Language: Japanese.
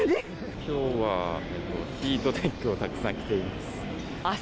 きょうはヒートテックをたくさん着ています。